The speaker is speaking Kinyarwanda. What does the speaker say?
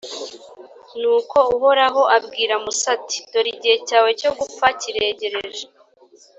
nuko uhoraho abwira musa, ati «dore igihe cyawe cyo gupfa kiregereje.